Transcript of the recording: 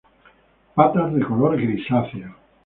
Patas de color grisáceo.